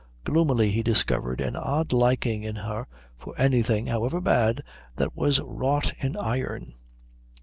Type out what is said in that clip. Gloomily he discovered an odd liking in her for anything, however bad, that was wrought in iron.